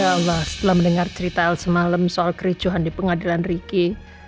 ya allah setelah mendengar cerita semalam soal kericuhan di pengadilan riki